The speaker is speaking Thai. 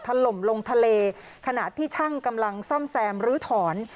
ถล่มลงทะเลขณะที่ช่างกำลังซ่อมแซมลื้อถอน